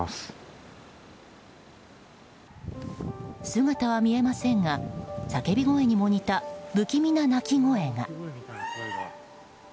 姿は見えませんが叫び声にも似た不気味な鳴き声が。